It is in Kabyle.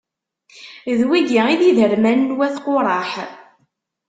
D wigi i d iderman n wat Quṛaḥ.